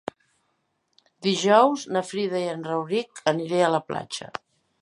Dijous na Frida i en Rauric aniré a la platja.